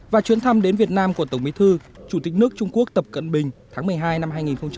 và chuyến thăm đến việt nam của tổng bí thư chủ tịch nước trung quốc tập cận bình tháng một mươi hai năm hai nghìn hai mươi